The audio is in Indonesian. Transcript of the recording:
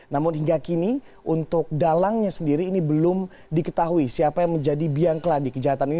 namun hingga kini untuk dalangnya sendiri ini belum diketahui siapa yang menjadi biang kela di kejahatan ini